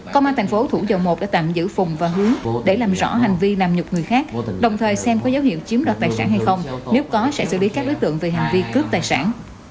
công an thành phố thủ dầu một đã tạm giữ phùng và hướng để làm rõ hành vi làm nhục người khác đồng thời xem có dấu hiệu chiếm đoạt tài sản hay không nếu có sẽ xử lý các đối tượng về hành vi cướp tài sản